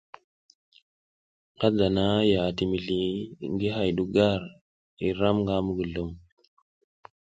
Nga dana ya ati mizli ngi hay du gar i ram nga muguzlum.